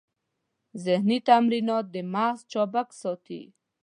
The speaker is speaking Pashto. ذهني تمرینات دماغ چابک ساتي.